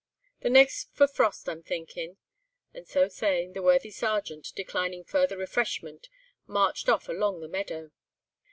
The nicht's for frost, I'm thinkin'," and so saying, the worthy Sergeant declining further refreshment marched off along the meadow.